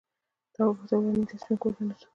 تواب وپوښتل ولې نږدې سپین کور ته نه ځو؟